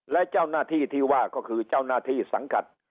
และเจ้าหน้าที่ที่ว่าก็คือเจ้าหน้าที่สังกัด